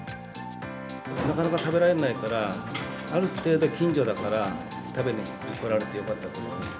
なかなか食べられないから、ある程度近所だから、食べに来られてよかったと思います。